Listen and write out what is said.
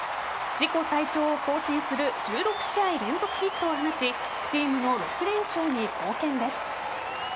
自己最長を更新する１６試合連続ヒットを放ちチームの６連勝に貢献です。